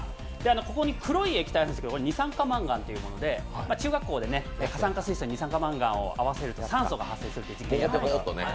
ここに黒い液体があるんですけど、これ二酸化マンガンというもので中学校で過酸化水素、二酸化マンガンを合わせると酸素が発生するという実験をやったと思うんですが。